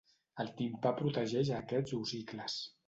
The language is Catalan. El timpà protegeix a aquests ossicles.